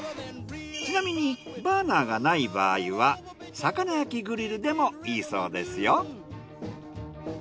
ちなみにバーナーがない場合は魚焼きグリルでもいいそうですよ。